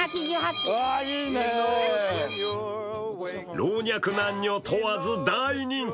老若男女問わず大人気。